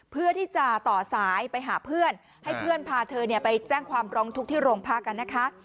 เพื่อที่จะต่อสายไปหาเพื่อนให้เพื่อนพาเธอไปแจ้งความร้องทุกข์ที่โรงพักกันนะคะ